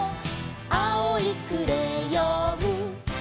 「あおいクレヨン」